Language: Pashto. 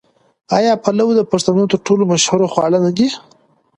آیا پلو د پښتنو تر ټولو مشهور خواړه نه دي؟